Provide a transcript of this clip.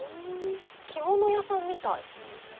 着物屋さんみたい。